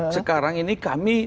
sekarang ini kami